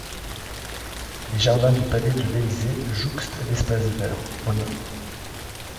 Les jardins du palais de l'Élysée jouxtent l'espace vert, au nord.